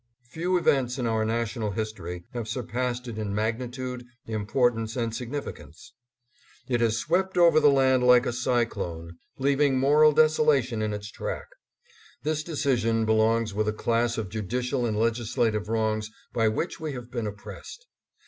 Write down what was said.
Few events in our national history have surpassed it in magnitude, importance and significance. It has swept over the land like a cyclone, leaving moral desolation in its track. This decision belongs with a class of judicial and legislative wrongs by which we have been oppressed.